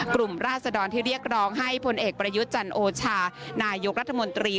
กลุ่มราศดรที่เรียกร้องให้ผลเอกประยุจรรโอชานายยกรัฐมนตรี